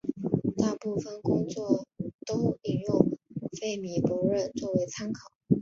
大部分工作都引用费米悖论作为参考。